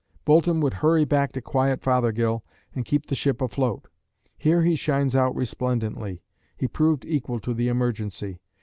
Boulton would hurry back to quiet Fothergill and keep the ship afloat. Here he shines out resplendently. He proved equal to the emergency.